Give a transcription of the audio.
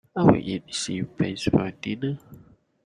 I will eat sea bass for dinner.